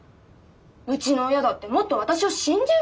うちの親だってもっと私を信じるべきなのよ。